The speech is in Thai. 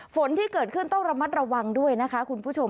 ฝนที่เกิดขึ้นต้องระมัดระวังด้วยนะคะคุณผู้ชม